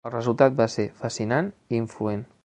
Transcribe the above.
El resultat va ser fascinant i influent.